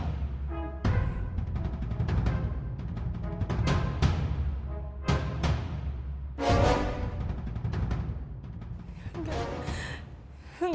aku mau ke rumah